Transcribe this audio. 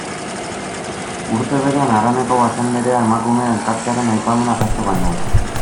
Urte berean, haraneko Basanderea emakumeen elkartearen aipamena jaso genuen.